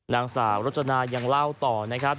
นางสาวรจนายังเล่าต่อนะครับ